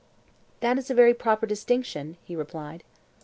That is a very proper distinction, he replied.